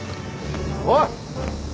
おい！